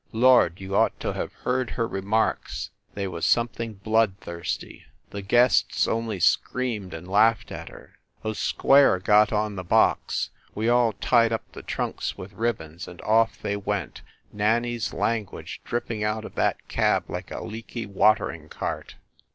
Lord, you ought to have heard her remarks they was something bloodthirsty. The guests only screamed and laughed at her. O Square got on the box we all tied up the trunks with rib bons, and off they went, Nanny s language dripping out of that cab like a leaky watering cart.